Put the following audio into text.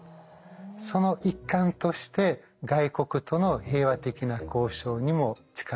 その一環として外国との平和的な交渉にも力を注ぎました。